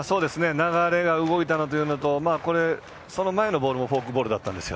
流れが動いたというのと前のボールもフォークボールだったんですよ。